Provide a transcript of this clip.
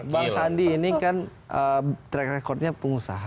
bang sandi ini kan track recordnya pengusaha